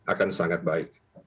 akan sangat baik